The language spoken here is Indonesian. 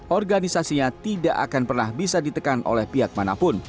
organisasinya tidak akan pernah bisa ditekan oleh pihak manapun